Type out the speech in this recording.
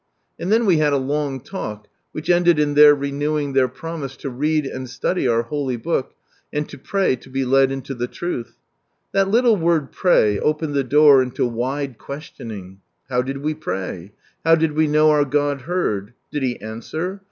And then we had a long talk, which ended in their renewing their promise to read and study our Holy Book, and lo pray to be led into the truth. That little word "pray" opened the door into wide questioning. How did we pray? How did we know our God heard? Did He answer?